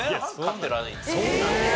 そうなんですよ。